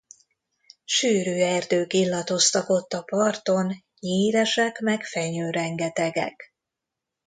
Sűrű erdők illatoztak ott a parton, nyíresek meg fenyőrengetegek.